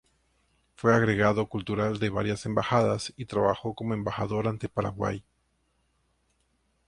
Fue agregado cultural de varias embajadas y trabajó como embajador ante Portugal.